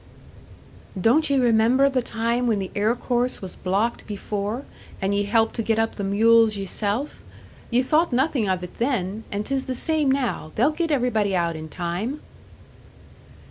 "Don't ye remember the time when the air course was blocked before, and ye helped to get up the mules yeself? Ye thought nothin' of it then, and 'tis the same now. They'll get everybody out in time!"